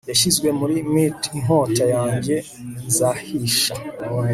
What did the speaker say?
Yashizwe muri myrt inkota yanjye nzahisha